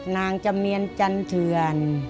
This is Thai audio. นางจำนินจันทวน